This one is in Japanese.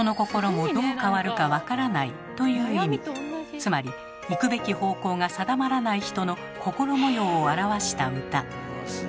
つまり行くべき方向が定まらない人の心模様を表した歌。